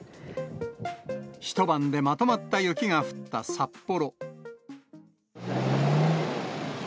一晩でまとまった雪が降った札幌。